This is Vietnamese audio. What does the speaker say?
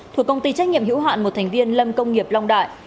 thuộc công ty trách nhiệm hữu hạn một thành viên lâm công nghiệp long đại